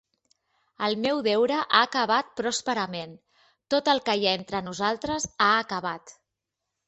El meu deure ha acabat pròsperament; tot el que hi ha entre nosaltres ha acabat.